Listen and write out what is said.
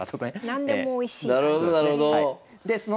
何でもおいしい感じですね。